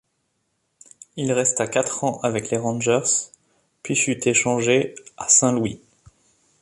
Il resta quatre ans avec les Rangers puis fut échangé à Saint-Louis.